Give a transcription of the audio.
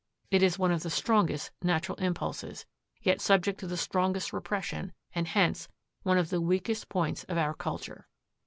It is one of the strongest natural impulses, yet subject to the strongest repression, and hence one of the weakest points of our culture.